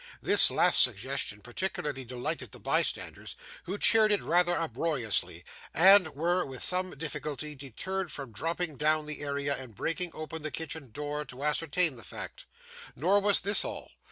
This last suggestion particularly delighted the bystanders, who cheered it rather uproariously, and were, with some difficulty, deterred from dropping down the area and breaking open the kitchen door to ascertain the fact. Nor was this all.